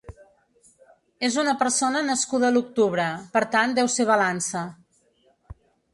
Es uma persona nascuda l'octubre, per tant deu ser Balança.